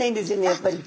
やっぱり。